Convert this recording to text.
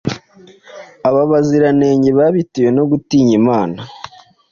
baba abaziranenge babitewe no gutinya Imana.”